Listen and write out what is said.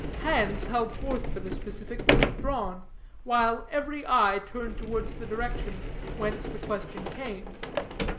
Hands held forth for the specific were withdrawn, while every eye turned towards the direction whence the question came.